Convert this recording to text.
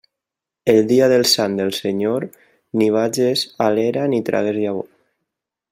El dia del sant del Senyor, ni vages a l'era ni tragues llavor.